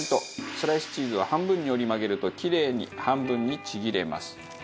スライスチーズは半分に折り曲げるとキレイに半分にちぎれます。